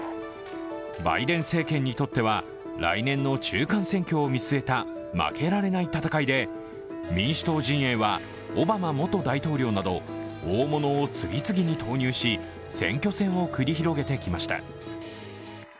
バイデン政権にとっては来年の中間選挙を見据えた負けられない戦いで、民主党陣営はオバマ元大統領など大物を次々に投入し、選挙戦を繰り広げてきました。